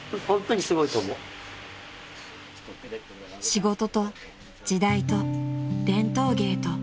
［仕事と時代と伝統芸と］